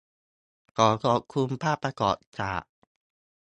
ขอขอบคุณภาพประกอบจาก